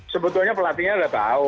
sebetulnya pelatihnya udah tahu